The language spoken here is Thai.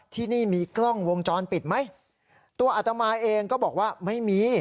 ที่นี่มีกล้องวงจรปิดไหมตัวอัตมาเองก็บอกว่าไม่มี